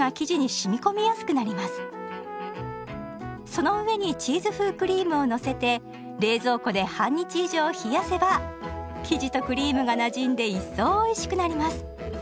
その上にチーズ風クリームをのせて冷蔵庫で半日以上冷やせば生地とクリームがなじんで一層おいしくなります。